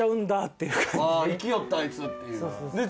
あ行きよったあいつっていうような。